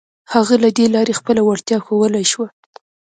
هغه له دې لارې خپله وړتيا ښوولای شوه.